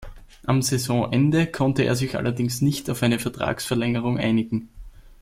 Am Saisonende konnte er sich allerdings nicht auf eine Vertragsverlängerung einigen.